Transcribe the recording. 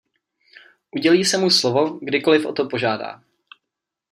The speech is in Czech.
Udělí se mu slovo, kdykoliv o to požádá.